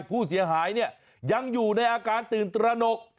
ผู้เสียหายเนี่ยยังอยู่ในอาการตื่นตระหนก